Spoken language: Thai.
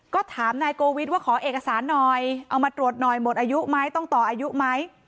ก็ถามนายโกวิทว่าขอเอกสารหน่อยเอามาตรวจหน่อยหมดอายุไหมต้องต่ออายุไหม